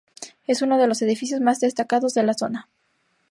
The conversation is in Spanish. Es uno de los edificios más destacado de la zona.